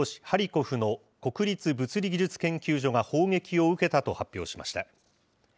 ハリコフの国立物理技術研究所が砲撃を受けたと発表しました。